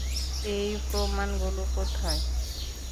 এই, প্রমাণগুলো কোথায়?